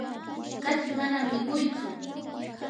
kachi manam mikuytsu.